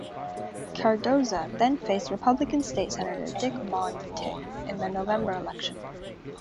Cardoza then faced Republican State Senator Dick Monteith in the November election.